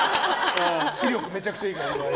視力めちゃめちゃいいから。